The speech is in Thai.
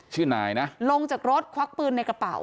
ชื่อนายนะลงจากรถควักปืนในกระเป๋า